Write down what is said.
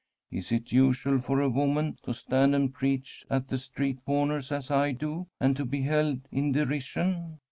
Is it usual for a woman to stand and preach at the street comers as I do, and to be held in derision